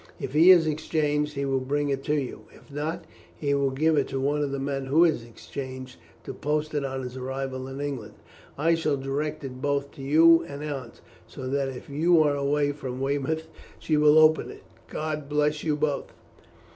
If he is exchanged, he will bring it to you; if not, he will give it to one of the men who is exchanged to post it on his arrival in England. I shall direct it both to you and Aunt, so that if you are away from Weymouth she will open it. God bless you both."